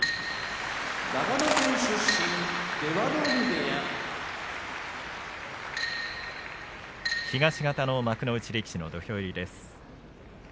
長野県出身出羽海部屋東方の幕内力士の土俵入りです。